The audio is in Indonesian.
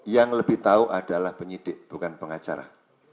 yang lebih tahu adalah penyidik bukan pengacara